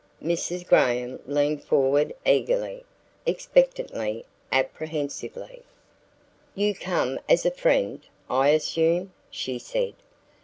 Mrs. Graham leaned forward eagerly, expectantly, apprehensively. "You come as a friend, I assume," she said.